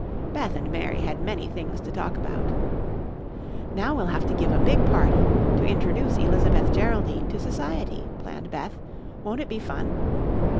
Beth and Mary had many things to talk about. "Now we'll have to give a big party to introduce Elizabeth Geraldine to society," planned Beth. "Won't it be fun?"